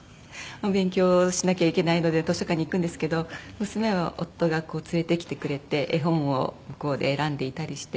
勉強しなきゃいけないので図書館に行くんですけど娘は夫が連れてきてくれて絵本を向こうで選んでいたりして。